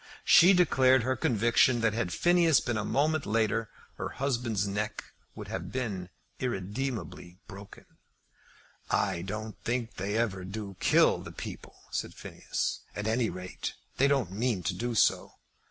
She declared her conviction that had Phineas been a moment later her husband's neck would have been irredeemably broken. "I don't think they ever do kill the people," said Phineas. "At any rate they don't mean to do so."